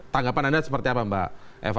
tanggapan anda seperti apa mbak eva